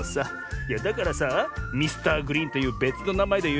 いやだからさミスターグリーンというべつのなまえでよ